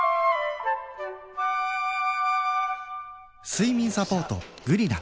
睡眠サポート「グリナ」